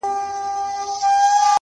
او خبرو باندي سر سو!!